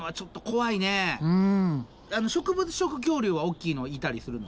植物食恐竜は大きいのいたりするの？